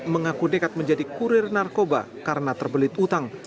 mengaku dekat menjadi kurir narkoba karena terbelit utang